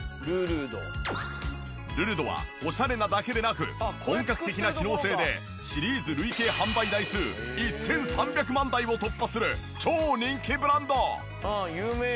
ルルドはオシャレなだけでなく本格的な機能性でシリーズ累計販売台数１３００万台を突破する超人気ブランド。